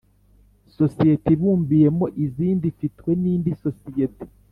Sosiyete ibumbiyemo izindi ifitwe n indi sosiyete